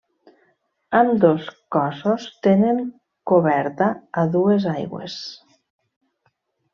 Ambdós cossos tenen coberta a dues aigües.